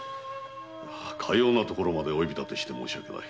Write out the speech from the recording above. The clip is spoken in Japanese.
かような所までお呼びだてして申し訳ない。